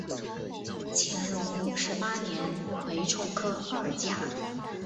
乾隆五十八年癸丑科二甲。